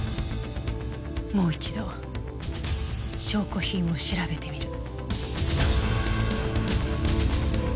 もう一度証拠品を調べてみる。